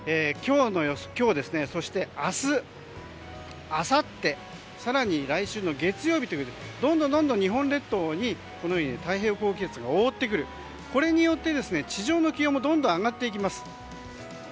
今日、そして明日あさって、更に来週の月曜日とどんどん日本列島に太平洋高気圧が覆ってくる、これによって地上の気温もどんどん上がっていきます。